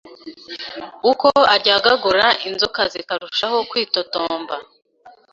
Uko aryagagura inzoka zikarushaho kwitotomba,